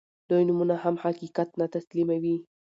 لوی نومونه هم حقيقت نه تسليموي.